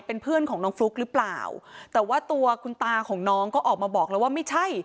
เป็นเพื่อนของน้องฟลุ๊กหรือเปล่าแต่ว่าตัวคุณตาของน้องก็ออกมาบอกแล้วว่าไม่ใช่